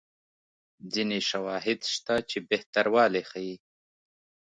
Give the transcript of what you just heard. ځیني شواهد شته چې بهتروالی ښيي.